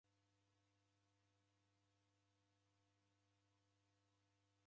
Karumiria kwa jesu ghose ghichabonyeka